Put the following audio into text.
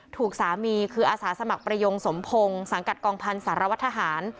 ถูกสามีคืออาสาสมัครประยงสมพงศ์สังกัดกองพันธ์สารวัตรทหาร